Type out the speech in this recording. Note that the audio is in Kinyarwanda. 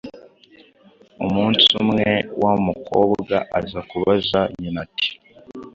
Umunsi umwe wa mukobwa aza kubaza nyina ati: